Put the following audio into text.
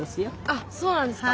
あっそうなんですか。